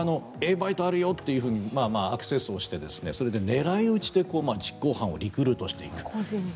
バイトあるよっていうふうにアクセスをしてそれで狙い撃ちで実行犯をリクルートしていく。